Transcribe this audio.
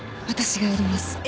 私がやります。